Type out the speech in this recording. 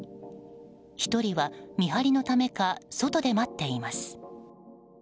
１人は、見張りのためか外で待っています。